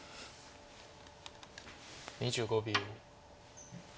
２５秒。